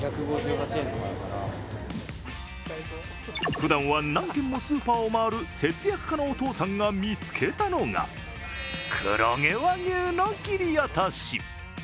ふだんは何軒もスーパーを回る節約家のお父さんが見つけたのが黒毛和牛の切り落とし。